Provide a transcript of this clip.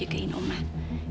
jadi kalian bisa jagain oma